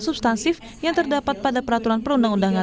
substansif yang terdapat pada peraturan perundang undangan